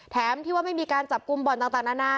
แถมที่ว่าไม่มีการจับกลุ่มบ่อนต่างนานา